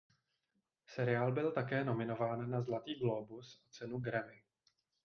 Seriál byl také nominován na Zlatý glóbus a cenu Grammy.